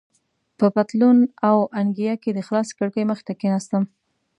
په پتلون او انګیا کې د خلاصې کړکۍ مخې ته کېناستم.